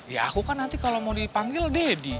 ya aku kan nanti kalau mau dipanggil dedy